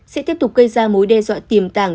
sẽ tiếp tục gây ra mối đe dọa tiềm tàng